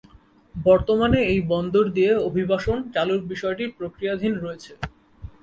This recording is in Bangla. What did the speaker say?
বর্তমানে এই বন্দর দিয়ে অভিবাসন চালুর বিষয়টি প্রক্রিয়াধীন রয়েছে।